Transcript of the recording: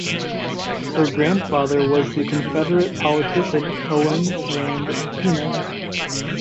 Her grandfather was the Confederate politician Owen Rand Kenan.